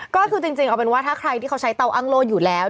ก็คือจริงเอาเป็นว่าถ้าใครที่เขาใช้เตาอ้างโล่อยู่แล้ว